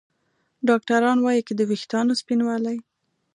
ډاکتران وايي که د ویښتانو سپینوالی